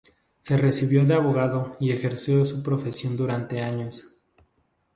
Se recibió de abogado y ejerció su profesión durante años.